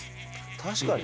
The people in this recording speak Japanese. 確かにね。